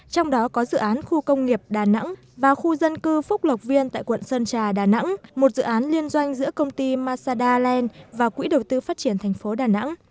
trong đó có dự án khu công nghiệp đà nẵng và khu dân cư phúc lộc viên tại quận sơn trà đà nẵng một dự án liên doanh giữa công ty masadaland và quỹ đầu tư phát triển thành phố đà nẵng